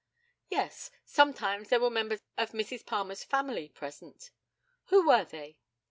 Yes; sometimes there were members of Mrs. Palmer's family present. Who were they?